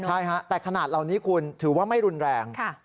ใช่ฮะแต่ขนาดเหล่านี้คุณถือว่าไม่รุนแรง